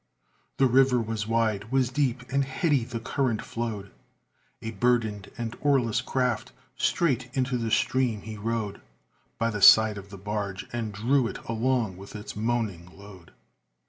The river was wide, was deep, and heady the current flowed, A burdened and oarless craft! straight into the stream he rode By the side of the barge, and drew it along with its moaning load.